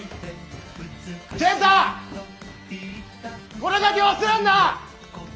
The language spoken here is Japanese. これだけ忘れんな。